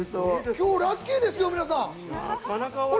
今日ラッキーですよ、皆さん。